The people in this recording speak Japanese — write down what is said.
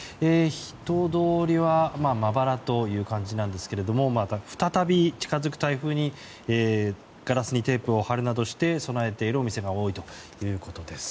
人通りはまばらという感じですが再び、近づく台風にガラスにテープを貼るなどして備えているお店が多いということです。